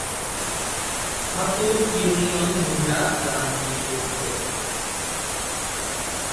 হাতুড় union মৌজা/গ্রাম নিয়ে গঠিত।